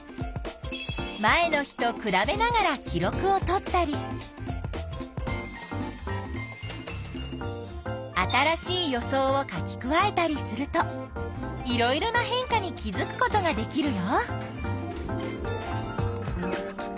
前の日とくらべながら記録をとったり新しい予想を書き加えたりするといろいろな変化に気づくことができるよ。